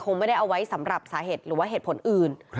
ไม่ได้เอาไว้สำหรับสาเหตุหรือว่าเหตุผลอื่น